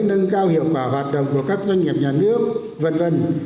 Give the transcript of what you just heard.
nâng cao hiệu quả hoạt động của các doanh nghiệp nhà nước v v